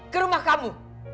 ke rumah kamu